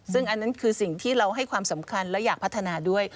ซึ่งอันนั้นคือสิ่งที่เราให้ความสำคัญและอยากพัฒนาด้วย